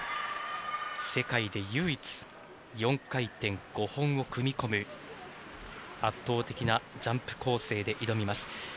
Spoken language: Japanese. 世界で唯一４回転５本を組み込む圧倒的なジャンプ構成で挑みます。